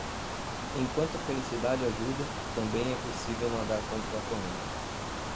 Enquanto a felicidade ajuda, também é possível nadar contra a corrente.